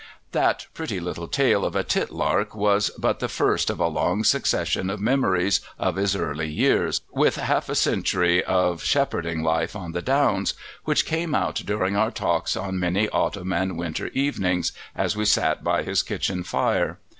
That pretty little tale of a titlark was but the first of a long succession of memories of his early years, with half a century of shepherding life on the downs, which came out during our talks on many autumn and winter evenings as we sat by his kitchen fire.